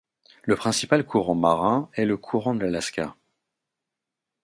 Le principal courant marin est le courant de l'Alaska.